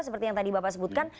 seperti yang tadi bapak sebutkan